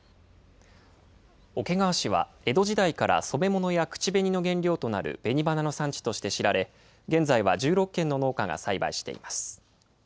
桶川市は江戸時代から染め物や口紅の原料となる紅花の産地として知られ、現在は１６軒の農家が栽培しています。